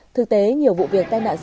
thực tế nhiều vụ việc tai nạn sau